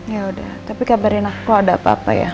ya udah tapi kabarin aku ada apa apa ya